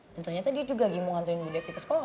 dan ternyata dia juga yang mau ngantuin bu devika ke sekolah